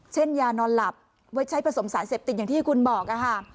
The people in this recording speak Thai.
ยานอนหลับไว้ใช้ผสมสารเสพติดอย่างที่คุณบอกค่ะ